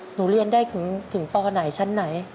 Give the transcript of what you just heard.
หนูเรียนได้ถึงปไหนชั้นไหน